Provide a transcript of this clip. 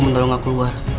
menolong gak keluar